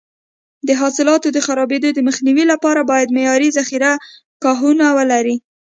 د حاصلاتو د خرابېدو مخنیوي لپاره باید معیاري ذخیره ګاهونه ولري.